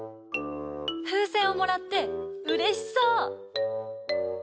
ふうせんをもらってうれしそう！